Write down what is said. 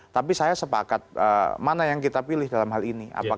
tapi saya sepakat mana yang kita pilih dalam hal ini